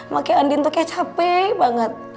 pakai andin tuh kayak capek banget